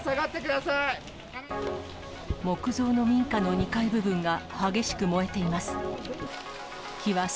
木造の民家の２階部分が激しく燃えています。